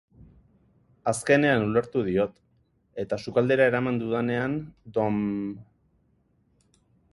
Azkenean ulertu diot, eta sukaldera eraman dudanean Dom...